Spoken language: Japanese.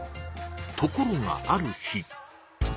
ところがある日。